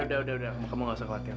udah udah kamu gak usah khawatir